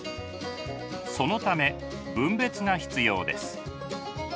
そのため分別が必要です。